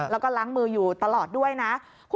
แล้วก็ล้างมืออยู่ตลอดด้วยนะ